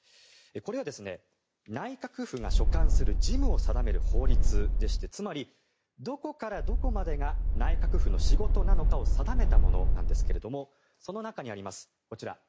これは内閣府が所管する事務を定める法律でしてつまり、どこからどこまでが内閣府の仕事なのかを定めたものなんですけれどもその中にあります